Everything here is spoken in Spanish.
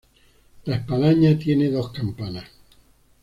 La espadaña tiene dos campanas.